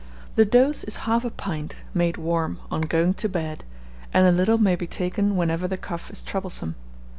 The dose is half a pint, made warm, on going to bed; and a little may be taken whenever the cough is troublesome.